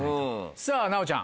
さぁ奈央ちゃん。